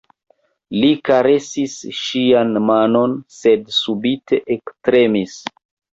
Li karesis ŝian manon, sed subite ektremis.